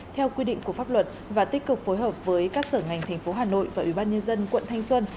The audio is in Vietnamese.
theo quy định của pháp luật và tích cực phối hợp với các sở ngành thành phố hà nội và ủy ban nhân dân quận thanh xuân